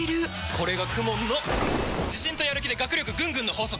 これがＫＵＭＯＮの自信とやる気で学力ぐんぐんの法則！